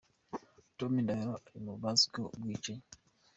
Tom Ndahiro ari mu bazwiho ubicanyi.